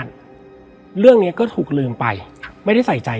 และวันนี้แขกรับเชิญที่จะมาเชิญที่เรา